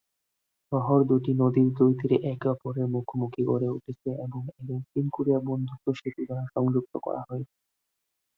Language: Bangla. শহর দুটি নদীর দুই তীরে একে অপরের মুখোমুখি গড়ে উঠেছে এবং এদের চিন-কোরিয়া বন্ধুত্ব সেতু দ্বারা সংযুক্ত করা হয়েছে।